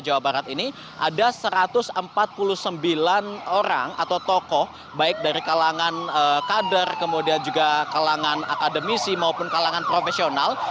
jawa barat ini ada satu ratus empat puluh sembilan orang atau tokoh baik dari kalangan kader kemudian juga kalangan akademisi maupun kalangan profesional